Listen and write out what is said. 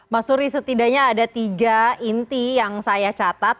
mas suri setidaknya ada tiga inti yang saya catat